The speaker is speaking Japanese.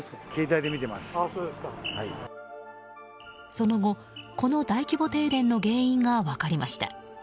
その後、この大規模停電の原因が分かりました。